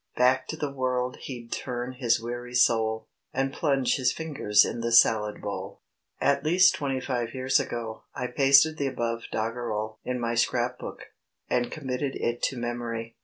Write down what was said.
Back to the world he'd turn his weary soul, And plunge his fingers in the salad bowl. At least twenty five years ago I pasted the above doggerel in my scrap book, and committed it to memory.